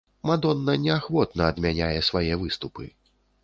Мадонна неахвотна адмяняе свае выступы.